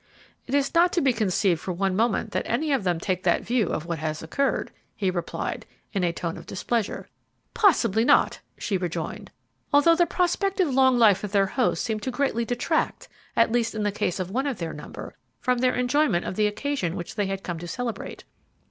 "It is not to be conceived for one moment that any of them take that view of what has occurred," he replied, in a tone of displeasure. "Possibly not," she rejoined, "although the prospective long life of their host seemed to greatly detract, at least in the case of one of their number, from their enjoyment of the occasion which they had come to celebrate."